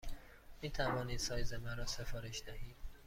می توانید سایز مرا سفارش دهید؟